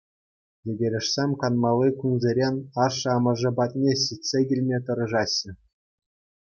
Йӗкӗрешсем канмалли кунсерен ашшӗ-амӑшӗ патне ҫитсе килме тӑрӑшаҫҫӗ.